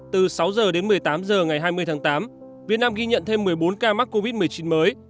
từ sáu h đến một mươi tám h ngày hai mươi tháng tám việt nam ghi nhận thêm một mươi bốn ca mắc covid một mươi chín mới